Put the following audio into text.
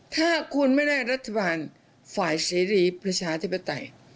ถ้าคุณไม่ได้รัฐบาลฝ่ายเสรีประชาธิปไตย